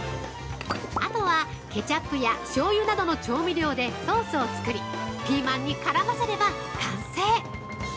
◆あとはケチャップやしょうゆなどの調味料でソースを作り、ピーマンに絡ませれば完成！